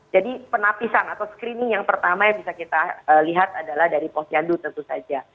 penapisan atau screening yang pertama yang bisa kita lihat adalah dari posyandu tentu saja